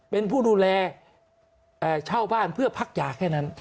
เป็นผู้ดูแลเช่าบ้านเพื่อพักยาแค่นั้น